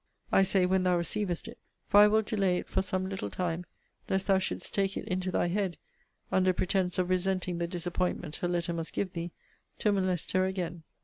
I say when thou receivest it; for I will delay it for some little time, lest thou shouldest take it into thy head (under pretence of resenting the disappointment her letter must give thee) to molest her again.